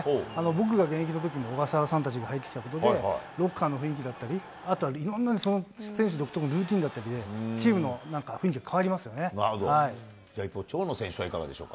僕が現役のときも、小笠原さんたちが入ってきたことで、ロッカーの雰囲気だったり、あとはいろんな選手独特のルーティンだったりで、チームのなんか、一方、長野選手はいかがでし